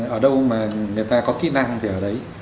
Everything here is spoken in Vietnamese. ở đâu mà người ta có kỹ năng thì ở đấy